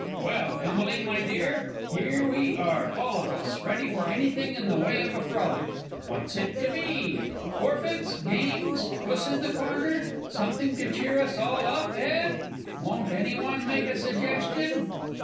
Well, Emily, my dear, here we are, all of us ready for anything in the way of a frolic what's it to be? Forfeits, games, Puss in the Corner, something to cheer us all up, eh? Won't any one make a suggestion?